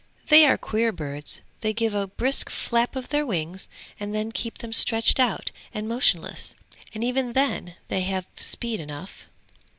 They are queer birds; they give a brisk flap with their wings and then keep them stretched out and motionless, and even then they have speed enough.'